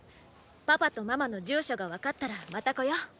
パパとママの住所が分かったらまた来よう。